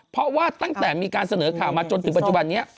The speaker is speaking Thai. เพราะว่าตั้งแต่มีการเสนอข่าวมาจนถึงปัจจุบันนี้